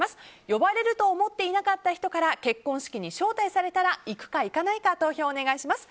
呼ばれると思っていなかった人から結婚式に招待されたら行くか行かないか投票をお願いします。